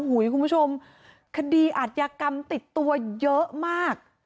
คุณผู้ชมคดีอาจยากรรมติดตัวเยอะมาก